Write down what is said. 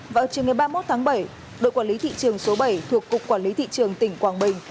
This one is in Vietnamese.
vào trường ngày ba mươi một tháng bảy đội quản lý thị trường số bảy thuộc cục quản lý thị trường tỉnh quảng bình